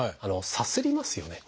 さすりますよね。